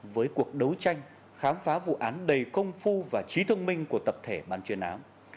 với cuộc đấu tranh khám phá vụ án đầy công phu và trí thông minh của tập thể ban chuyên án